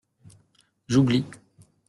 J’oublie.